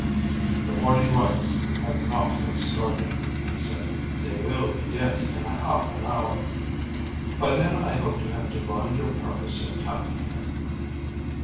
"The morning rites have not yet started," he said. "They will begin in a half an hour. By then I hope to have divined your purpose in coming here."